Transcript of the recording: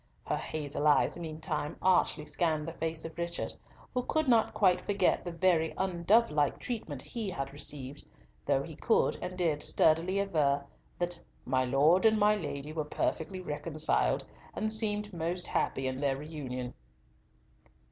Her hazel eyes meantime archly scanned the face of Richard, who could not quite forget the very undovelike treatment he had received, though he could and did sturdily aver that "my Lord and my Lady were perfectly reconciled, and seemed most happy in their reunion."